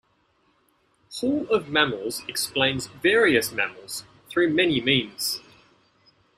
Hall of Mammals explains various mammals through many means.